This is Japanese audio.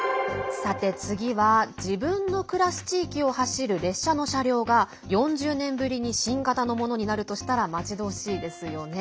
さて次は、自分の暮らす地域を走る列車の車両が４０年ぶりに新型のものになるとしたら待ち遠しいですよね。